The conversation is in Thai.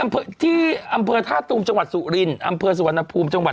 อำเภอที่อำเภอท่าตูมจังหวัดสุรินอำเภอสุวรรณภูมิจังหวัด